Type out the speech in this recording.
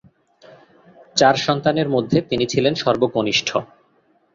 চার সন্তানের মধ্যে তিনি ছিলেন সর্বকনিষ্ঠ।